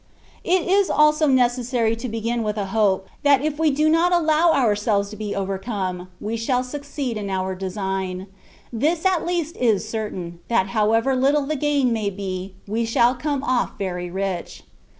It is also necessary to begin with a hope, that if we do not allow ourselves to be overcome, we shall succeed in our design ; this at least is cer tain, that however little the gain may be, we shall come ofl^ very rich.